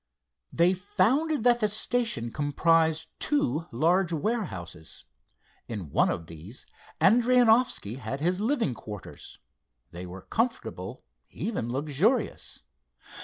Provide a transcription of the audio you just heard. They found that the station comprised two large warehouses. In one of these Adrianoffski had his living quarters. They were comfortable, even luxurious.